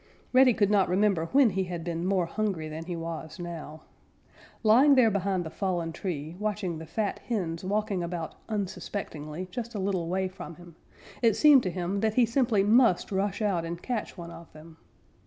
Reddy could not remember when he had been more hungry than he was now. Lying there behind the fallen tree, watching the fat hens walking about unsuspectingly just a little way from him, it seemed to him that he simply must rush out and catch one of them.